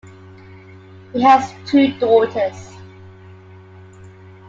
He has two daughters.